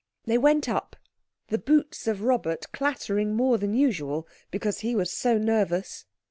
They went up; the boots of Robert clattering more than usual because he was so nervous.